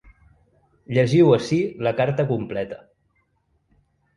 Llegiu ací la carta completa.